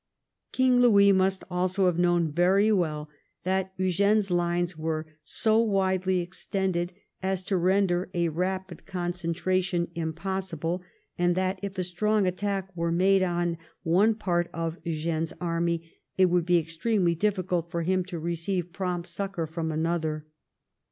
King Louis must also have known very well that Eugene's Unes were so widely extended as to render a rapid concentration impossible, and that if a strong attack were made on one part 56 THE REIGN OF QUEEN ANNE. ch. xxiii. of Eugene's army, it would be extremely diflScult for him to receive prompt succour from another.